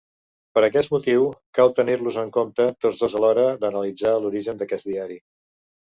Per aquest motiu, cal tenir-los en compte tots dos a l'hora d'analitzar l'origen d'aquest diari.